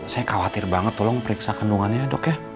saya khawatir banget tolong periksa kandungannya dok ya